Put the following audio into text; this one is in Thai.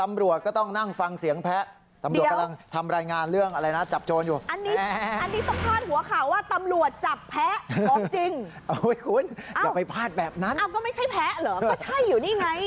ตำรวจก็ต้องนั่งฟังเสียงแพ้ตำรวจกำลังทำรายงานเรื่องอะไรนะจับโจรอยู่